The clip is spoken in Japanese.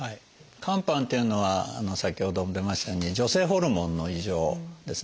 肝斑というのは先ほども出ましたように女性ホルモンの異常ですね。